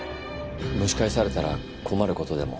蒸し返されたら困ることでも？